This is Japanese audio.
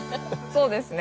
そうですね